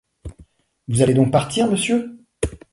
Vous allez donc partir, monsieur ?